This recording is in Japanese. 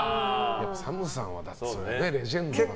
ＳＡＭさんはレジェンドだから。